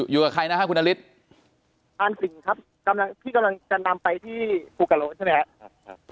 อยู่กับใครนะครับคุณนฤทธิ์ทานสิงครับพี่กำลังจะนำไปที่ภูกรโรนใช่ไหมครับ